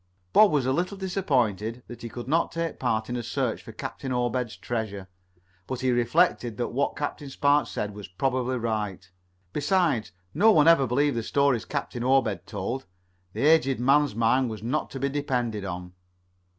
Bob was a little disappointed that he could not take part in a search for Captain Obed's treasure, but he reflected that what Captain Spark said was probably right, resides, no one ever believed the stories Captain Obed told. The aged man's mind was not to be depended on.